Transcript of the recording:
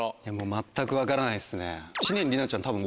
全く分からないですね。